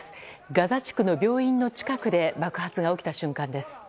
ガザ地区の病院の近くで爆発が起きた瞬間です。